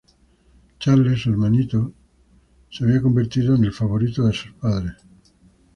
Charles, su hermanito, se había convertido en el favorito de sus padres.